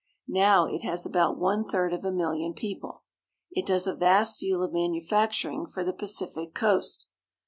Now it has about one third of a million people. It does a vast deal of manufacturing for the Pacific coast.